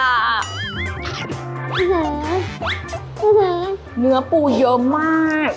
อื้อหือเนื้อปูเยอะมาก